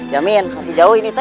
jamin masih jauh ini pak